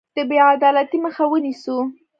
د بې عدالتۍ مخه ونیسو.